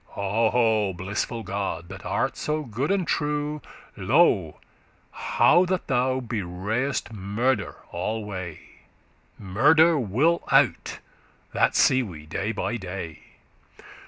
O blissful God! that art so good and true, Lo, how that thou bewray'st murder alway. Murder will out, that see we day by day.